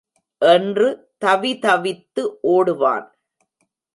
என்று தவிதவித்து ஒடுவான்.